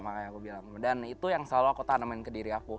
makanya aku bilang dan itu yang selalu aku tanamin ke diri aku